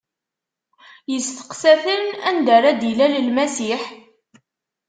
Isteqsa-ten: Anda ara d-ilal Lmasiḥ?